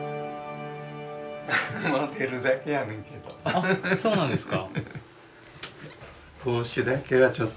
あっそうなんですか？